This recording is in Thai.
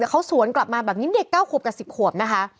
เขาสวนกลับมาแบบนี้เด็ก๙ขวบกับ๑๐ขวบนะคะ